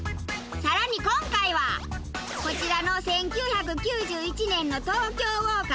さらに今回はこちらの１９９１年の『東京ウォーカー』の特集。